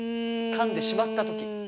かんでしまった時。